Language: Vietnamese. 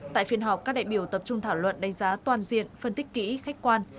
tại phiên họp các đại biểu tập trung thảo luận đánh giá toàn diện phân tích kỹ khách quan